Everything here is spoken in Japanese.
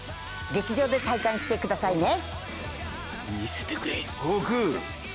劇場で体感してくださいね。